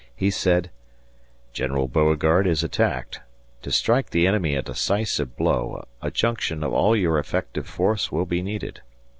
He said: General Beauregard is attacked. To strike the enemy a decisive blow a junction of all your effective force will be needed.